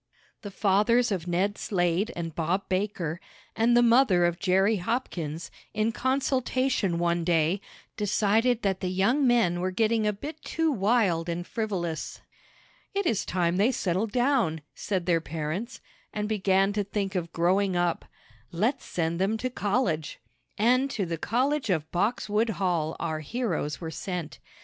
The fathers of Ned Slade and Bob Baker, and the mother of Jerry Hopkins, in consultation one day, decided that the young men were getting a bit too wild and frivolous. "It is time they settled down," said their parents, "and began to think of growing up. Let's send them to college!" And to the college of Boxwood Hall our heroes were sent.